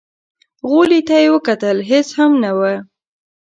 غولي ته يې وکتل، هېڅ هم نه و.